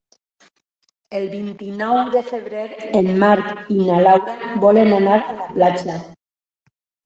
El vint-i-nou de febrer en Marc i na Laura volen anar a la platja.